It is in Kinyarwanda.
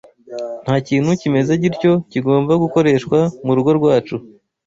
nta kintu kimeze gityo kigomba gukoreshwa mu rugo rwacu,